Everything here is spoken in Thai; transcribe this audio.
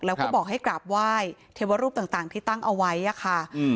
แล้วก็บอกให้กราบไหว้เทวรูปต่างที่ตั้งเอาไว้อะค่ะ